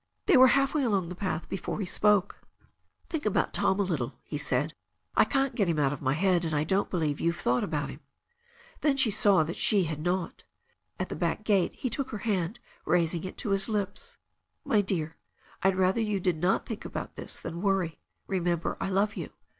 They were half way along the path before he spoke. "Think about Tom a little," he said. "I can't get him out of my head, and I don't believe you've thought about him." 384 THE STORY OP A NEW ZEALAND RIVER Then she saw that she had not At the back gate he took her hand, raising it to his lips. "My dear, I'd rather you did not think about this than worry. Remember I love you.